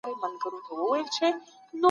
څېړونکي به حقایق روښانه کړي وي.